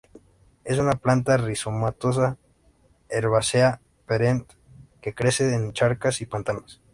Es una planta rizomatosa, herbácea perenne que crece en charcas y pantanos.